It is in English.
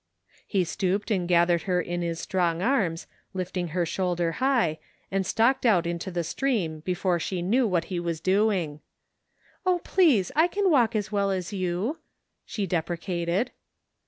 He stooped and gathered her in his strong arms, lifting her shoulder high, and stalked out into the stream before she knew what he was doing. "Oh, please, I can walk as well as you," she dqxrecated.